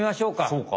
そうか。